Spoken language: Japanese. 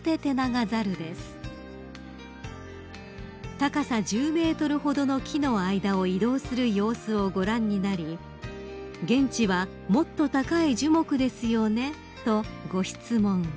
［高さ１０ｍほどの木の間を移動する様子をご覧になり「現地はもっと高い樹木ですよね？」とご質問］